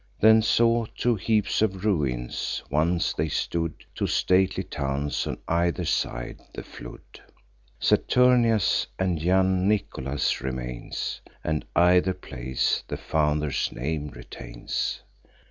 Then saw two heaps of ruins, (once they stood Two stately towns, on either side the flood,) Saturnia's and Janiculum's remains; And either place the founder's name retains.